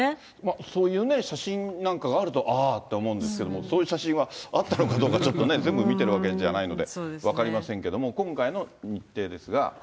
そういう写真なんかがあると、ああって思うんですけども、そういう写真はあったのかどうかね、全部見てるわけじゃないので分かりませんけれども、今回の日程ですが。